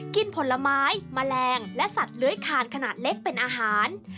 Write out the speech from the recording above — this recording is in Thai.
ผลไม้แมลงและสัตว์เลื้อยคานขนาดเล็กเป็นอาหาร